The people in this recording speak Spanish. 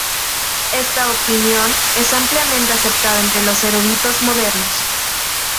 Esta opinión es ampliamente aceptada entre los eruditos modernos.